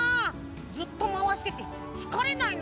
ずっとまわしててつかれないのかな？